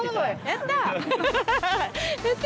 やった！